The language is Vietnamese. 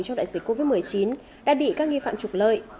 trong đại dịch covid một mươi chín đã bị các nghi phạm trục lợi